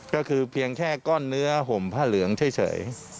ก็คือเพียงแค่ก้อนเนื้อห่มผ้าเหลืองเฉย